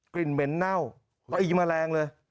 เหม็นเน่าตะอีแมลงเลย